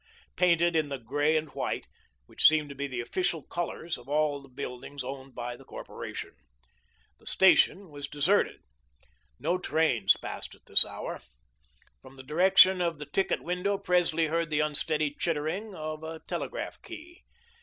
painted in the grey and white, which seemed to be the official colours of all the buildings owned by the corporation. The station was deserted. No trains passed at this hour. From the direction of the ticket window, Presley heard the unsteady chittering of the telegraph key.